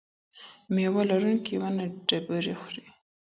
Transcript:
ميوه لرونکې ونه ډبرې خوري.